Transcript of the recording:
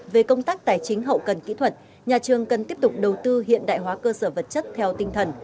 về công tác tài chính hậu cần kỹ thuật nhà trường cần tiếp tục đầu tư hiện đại hóa cơ sở vật chất theo tinh thần